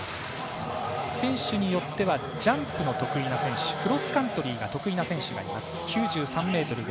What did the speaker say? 選手によってはジャンプの得意な選手クロスカントリーが得意な選手がいます。